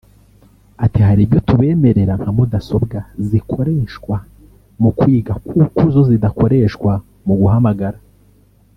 Ati “Hari ibyo tubemerera nka mudasobwa zikoreshwa mu kwiga kuko zo zidakoreshwa mu guhamagara”